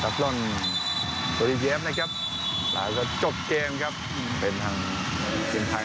จับรถโดรีเบียบนะครับแล้วก็จบเกมครับเป็นทางกินไทย